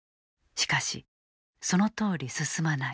しかしそのとおり進まない。